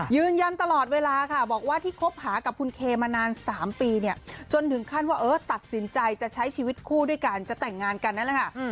ยืนยันตลอดเวลาค่ะบอกว่าที่คบหากับคุณเคมานาน๓ปีเนี่ยจนถึงขั้นว่าเออตัดสินใจจะใช้ชีวิตคู่ด้วยกันจะแต่งงานกันนั่นแหละค่ะ